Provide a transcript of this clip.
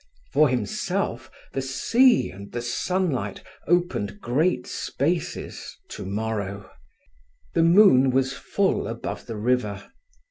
For himself, the sea and the sunlight opened great spaces tomorrow. The moon was full above the river.